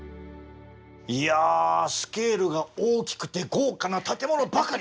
いやスケールが大きくて豪華な建物ばかり。